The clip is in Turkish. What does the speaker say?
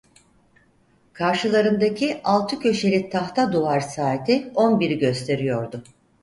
Karşılarındaki altı köşeli tahta duvar saati on biri gösteriyordu.